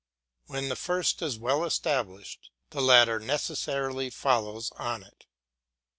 When the first is well established, the latter necessarily follows on it.